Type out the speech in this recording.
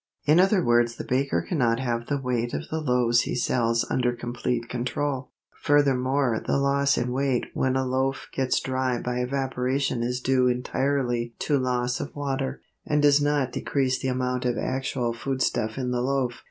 In other words the baker cannot have the weight of the loaves he sells under complete control. Furthermore the loss in weight when a loaf gets dry by evaporation is due entirely to loss of water, and does not decrease the amount of actual foodstuff in the loaf.